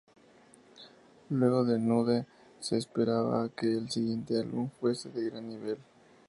Luego de Nude, se esperaba que el siguiente álbum fuese de gran nivel.